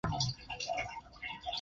在雨季大部分都会被淹没在水里。